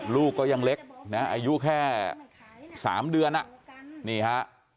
ลูกก็ยังเล็กนะอายุแค่๓เดือนอ่ะนี่ฮะ